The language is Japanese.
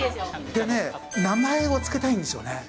でね、名前を付けたいんですよね。